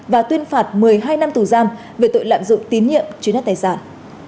và tuyên phạt một mươi hai năm tù giam về tội lạm dụng tín nhiệm chứa đắt tài sản